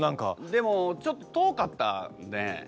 でもちょっと遠かったので。